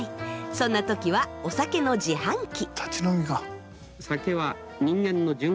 そんな時はお酒の自販機。